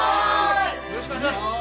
よろしくお願いします。